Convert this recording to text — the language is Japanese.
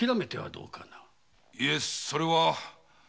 いえそれは。